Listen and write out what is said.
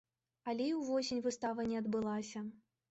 Але і ўвосень выстава не адбылася.